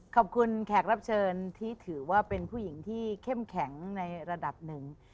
แขกรับเชิญที่ถือว่าเป็นผู้หญิงที่เข้มแข็งในระดับหนึ่ง